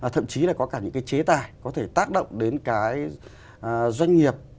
thậm chí là có cả những cái chế tài có thể tác động đến cái doanh nghiệp